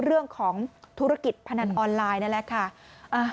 เรื่องของธุรกิจพนันออนไลน์นั่นแหละค่ะ